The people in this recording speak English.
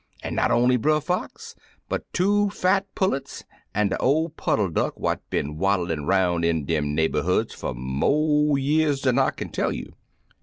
An' not only Brer Fox, but two fat pullets, an' de ol' puddle duck what been waddlin' 'roun' in dem neighborhoods fer mo' years dan I kin tell you.